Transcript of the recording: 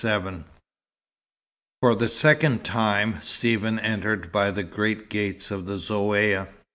XLVII For the second time Stephen entered by the great gates of the Zaouïa.